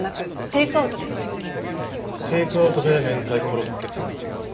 テイクアウトでめんたいコロッケサンドを。